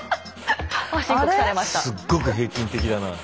すっごく平均的だなあ。